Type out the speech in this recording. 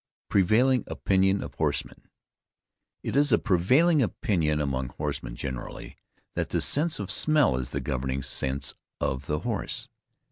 PREVAILING OPINION OF HORSEMEN. It is a prevailing opinion among horsemen generally, that the sense of smell is the governing sense of the horse.